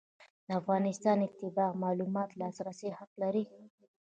د افغانستان اتباع معلوماتو ته د لاسرسي حق لري.